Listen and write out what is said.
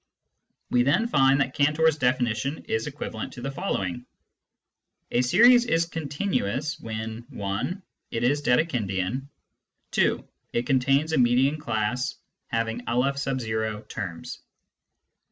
We then find that Cantor's definition is equivalent to the following :— A series is " continuous " when (i) it is Dedekindian, (2) it contains a median class having N terms.